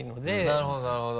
なるほどなるほど。